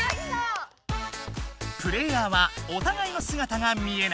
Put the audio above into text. プレーヤーはおたがいのすがたが見えない。